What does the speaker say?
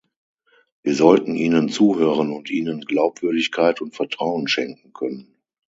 Wir sollten ihnen zuhören und ihnen Glaubwürdigkeit und Vertrauen schenken können.